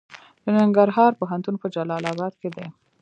د ننګرهار پوهنتون په جلال اباد کې دی